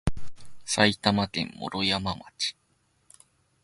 埼玉県毛呂山町